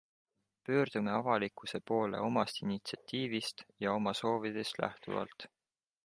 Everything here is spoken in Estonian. Pöördume avalikkuse poole omast initsiatiivist ja oma soovidest lähtuvalt.